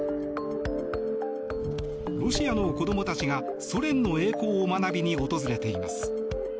ロシアの子どもたちがソ連の栄光を学びに訪れています。